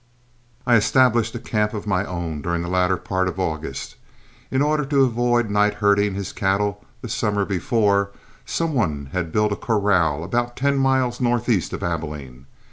I established a camp of my own during the latter part of August. In order to avoid night herding his cattle the summer before, some one had built a corral about ten miles northeast of Abilene.